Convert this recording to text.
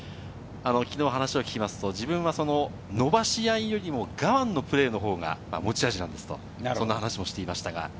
きのう話を聞くと、自分は伸ばし合いよりも我慢のプレーの方が持ち味なんですと、話をしていました。